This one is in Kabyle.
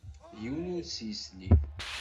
Yiwen ur s-yesli.